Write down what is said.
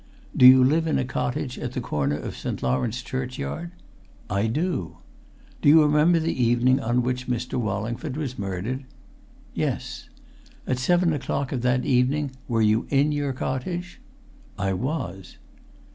"Do you live in a cottage at the corner of St. Lawrence churchyard?" "I do!" "Do you remember the evening on which Mr. Wallingford was murdered?" "Yes." "At seven o'clock of that evening were you in your cottage?" "I was!"